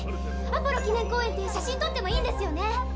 アポロ記念公園って写真とってもいいんですよね。